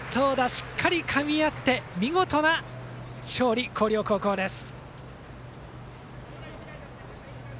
しっかりかみ合って見事な勝利、広陵高校です。